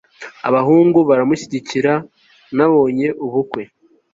abahungu baramushyigikira. nabonye ubukwe